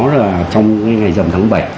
là trong ngày dầm tháng bảy